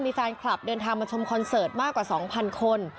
มีแฟนคลับเดินทางมาชมคอนเสิร์ตมากกว่า๒๐๐คน